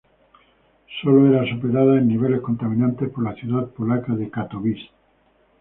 Sólo era superada en niveles contaminantes por la ciudad polaca de Katowice.